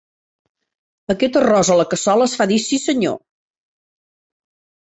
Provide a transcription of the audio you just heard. Aquest arròs a la cassola es fa dir 'sí senyor'.